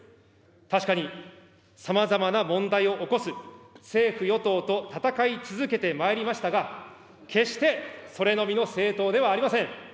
確かにさまざまな問題を起こす政府・与党と戦い続けてまいりましたが、決してそれのみの政党ではありません。